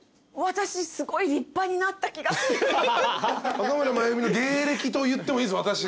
若村麻由美の芸歴と言ってもいいです私が。